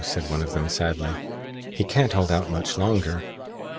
said one of them, sadly. "He can't hold out much longer."